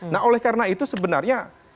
nah oleh karena itu sebenarnya